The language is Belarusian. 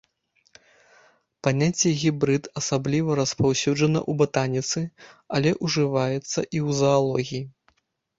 Паняцце гібрыд асабліва распаўсюджана ў батаніцы, але ўжываецца і ў заалогіі.